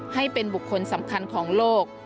ให้เป็นบุคคลสำคัญของโลก